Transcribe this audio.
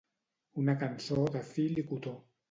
Una cançó de fil i cotó.